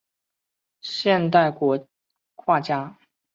现代国画家。